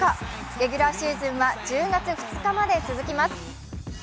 レギュラーシーズンは１０月２日まで続きます。